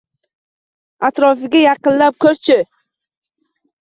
Аtrofiga yaqinlab koʼr-chi…